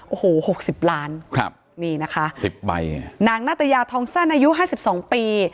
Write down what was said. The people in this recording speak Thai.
โอ้โห๖๐ล้านนี่นะคะนางนาตยาทองสั้นอายุ๕๒ปี